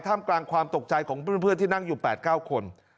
กลางความตกใจของเพื่อนที่นั่งอยู่๘๙คน